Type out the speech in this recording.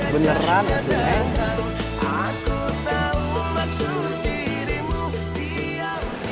beneran ya kum ya